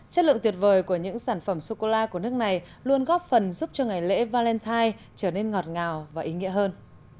chất lượng tuyệt vời của những sản phẩm sô cô la của nước này luôn góp phần giúp cho ngày lễ valentine trở nên ngọt ngào và ý nghĩa hơn